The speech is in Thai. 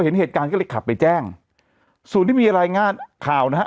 เห็นเหตุการณ์ก็เลยขับไปแจ้งส่วนที่มีรายงานข่าวนะฮะ